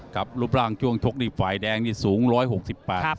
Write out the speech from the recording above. ครับรูปร่างช่วงชกที่ฝ่ายแดงนี่สูงร้อยหกสิบปากครับ